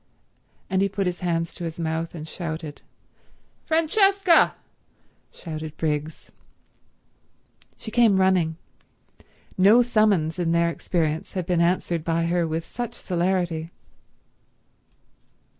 And he put his hands to his mouth and shouted. "Francesca!" shouted Briggs. She came running. No summons in their experience had been answered by her with such celerity.